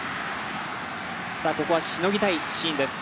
ここはしのぎたいシーンです。